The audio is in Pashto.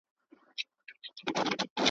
دا خیرات دی که ښادي که فاتحه ده ,